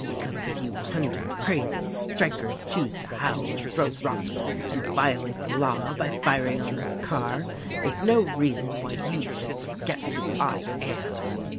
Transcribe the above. Because a few hun dred crazy strikers choose to howl and throw rocks and vio late the law by firing on this car, is no reason why you should forget who I am."